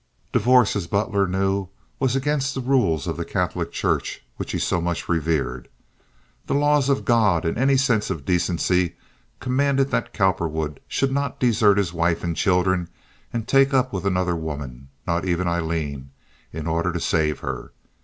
Divorce, as Butler knew, was against the rules of the Catholic Church, which he so much revered. The laws of God and any sense of decency commanded that Cowperwood should not desert his wife and children and take up with another woman—not even Aileen, in order to save her.